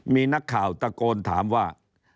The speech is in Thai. มีนักข่าวตะโกนถามว่า